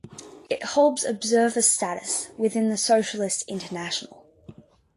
It holds observer status within the Socialist International.